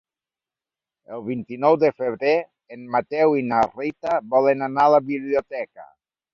El vint-i-nou de febrer en Mateu i na Rita volen anar a la biblioteca.